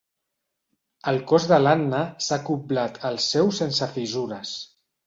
El cos de l'Anna s'ha acoblat al seu sense fisures.